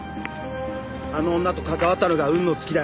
あの女と関わったのが運の尽きだ。